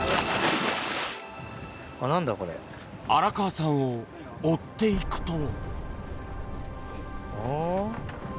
荒川さんを追っていくと。